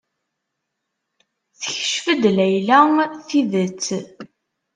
Tekcef-d Layla tidet.